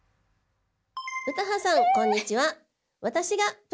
詩羽さんこんにちは。